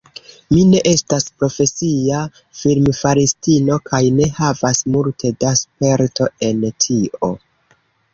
Mi ne estas profesia filmfaristino kaj ne havas multe da sperto en tio.